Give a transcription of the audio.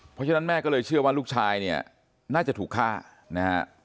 เพราะฉะนั้นแม่ก็เลยเชื่อว่าลูกชายเนี่ยน่าจะถูกฆ่านะฮะ